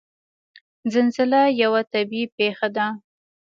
زلزله یوه طبعي پېښه ده.